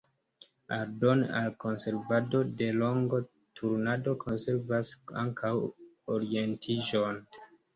Aldone al konservado de longo, turnado konservas ankaŭ orientiĝon.